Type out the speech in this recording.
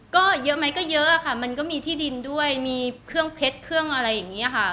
ก็เยอะไหมก็เยอะค่ะมันก็มีที่ดินด้วยมีเครื่องเพชรเครื่องอะไรอย่างนี้ค่ะ